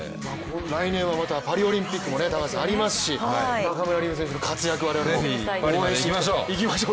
来年はまたパリオリンピックもありますし中村輪夢選手の活躍をぜひ我々、応援していきましょう。